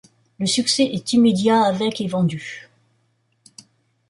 Le succès est immédiat avec et vendus.